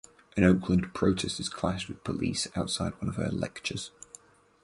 In Oakland protestors clashed with police outside one of her lectures.